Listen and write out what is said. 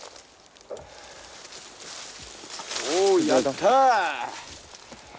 おおやった！